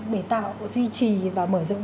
để tạo duy trì và mở rộng